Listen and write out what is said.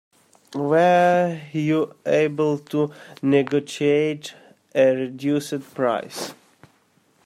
Were you able to negotiate a reduced price?